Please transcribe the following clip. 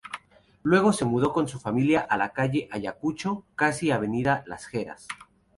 Luego se mudó con su familia a la calle Ayacucho casi avenida Las Heras.